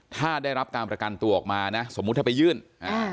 ถ้าได้รับการประกันตัวออกมานะสมมุติถ้าไปยื่นอ่า